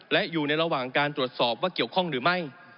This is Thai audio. และอยู่ในระหว่างการตรวจสอบว่าเกี่ยวข้องหรือไม่